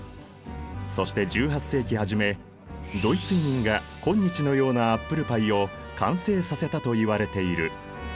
そして１８世紀初めドイツ移民が今日のようなアップルパイを完成させたといわれている。